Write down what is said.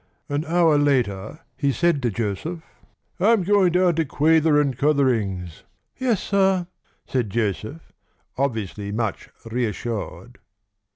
An hour later he said to Joseph: "I'm going down to Quayther and Cuthering's." "Yes, sir," said Joseph, obviously much reassured.